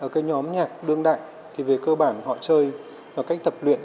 cái nhóm nhạc đơn đại thì về cơ bản họ chơi là cách tập luyện